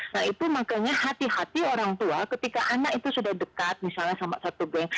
nah itu makanya hati hati orang tua ketika anak itu sudah dekat misalnya sama satu geng